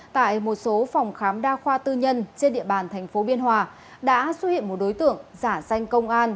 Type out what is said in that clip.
tại một số phòng khám đa khoa tư nhân trên địa bàn thành phố biên hòa đã xuất hiện một đối tượng giả danh công an